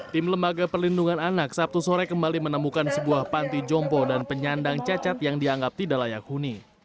tim lembaga perlindungan anak sabtu sore kembali menemukan sebuah panti jompo dan penyandang cacat yang dianggap tidak layak huni